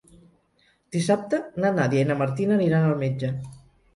Dissabte na Nàdia i na Martina aniran al metge.